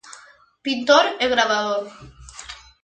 Pintor e gravador.